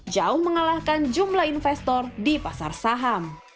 jauh mengalahkan jumlah investor di pasar saham